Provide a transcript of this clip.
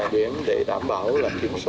biển để đạt